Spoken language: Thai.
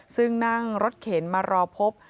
ซึ่งนั่งรถเข็นมารอพบ